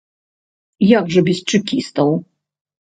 Як жа без чэкістаў?